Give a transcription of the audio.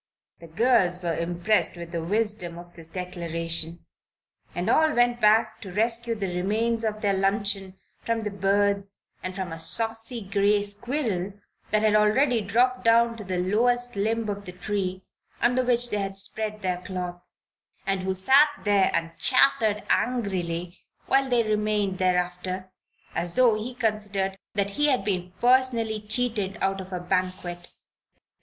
The girls were impressed with the wisdom of this declaration, and all went back to rescue the remains of their luncheon from the birds and from a saucy gray squirrel that had already dropped down to the lowest limb of the tree under which they had spread their cloth, and who sat there and chattered angrily while they remained thereafter, as though he considered that he had been personally cheated out of a banquet.